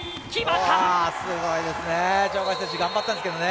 すごいですね。